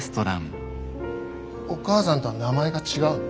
お母さんとは名前が違うの？